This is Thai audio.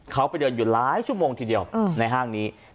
เขาไปเดินอยู่หลายชั่วโมงทีเดียวในห้างนี้